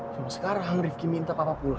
cuma sekarang rifki minta papa pulang